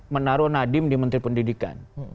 menaruh nadiem di menteri pendidikan